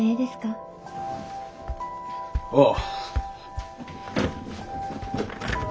ああ。